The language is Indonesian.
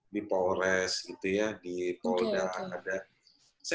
di polres gitu ya di polda adat